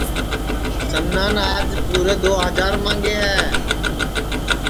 سنان آج پُورے دؔو ہجار ماںٚگے ہے